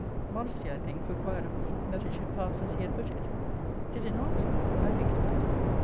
Modesty, I think, required of me, that it should pass as he had put it: Did it not? I think it did.